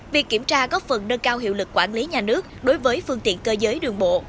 việc kiểm tra góp phần nâng cao hiệu lực quản lý nhà nước đối với phương tiện cơ giới đường bộ